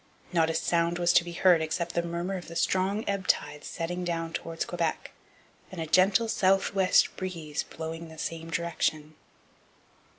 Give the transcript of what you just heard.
Not a sound was to be heard except the murmur of the strong ebb tide setting down towards Quebec and a gentle south west breeze blowing in the same direction.